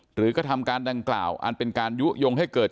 กระทำการดังกล่าวอันเป็นการยุโยงให้เกิด